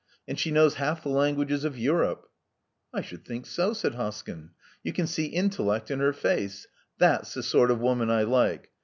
And she knows half the languages of Europe." *'I should think so," said Hoskyn. •*You can see intellect in her face. That's the sort of woman I like.